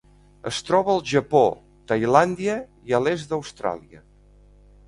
Es troba al Japó, Tailàndia i l'est d'Austràlia.